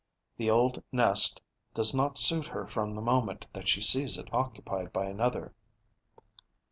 The old nest does not suit her from the moment that she sees it occupied by another.